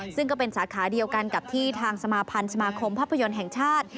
ซึ่งก็เป็นสาขาเดียวกันกับที่ทางสมาพันธ์สมาคมภาพยนตร์แห่งชาติ